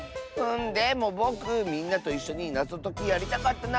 でもぼくみんなといっしょになぞときやりたかったなあ。